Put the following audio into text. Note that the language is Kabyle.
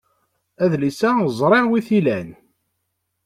Adlis-a ẓriɣ wi t-ilan.